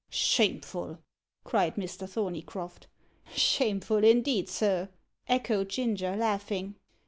"Shameful!" cried Mr. Thorneycroft. "Shameful, indeed, sir," echoed Ginger, laughing.